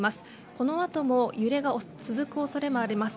この後も揺れが続く恐れもあります。